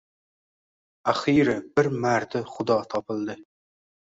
Axiyri bir mardi xudo topildi.